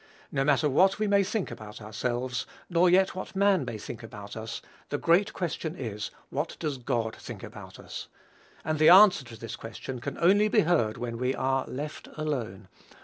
No matter what we may think about ourselves, nor yet what man may think about us; the great question is, What does God think about us? And the answer to this question can only be heard when we are "left alone."